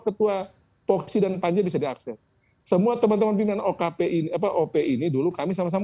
ketua toksi dan panja bisa diakses semua teman teman pimpinan op ini dulu kami sama sama